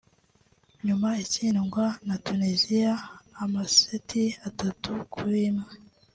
nyuma itsindwa na Tuniziya amaseti atatu kuri imwe